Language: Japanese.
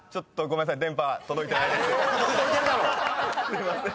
すいません。